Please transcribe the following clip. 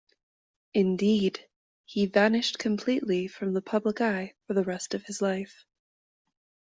Indeed, he vanished completely from the public eye for the rest of his life.